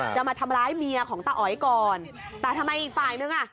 จะมาทำร้ายเมียของตาอ๋อยก่อนแต่ทำไมอีกฝ่ายนึงอ่ะ